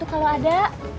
cuy enggak ada